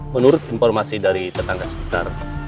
menurut informasi dari tetangga sekitar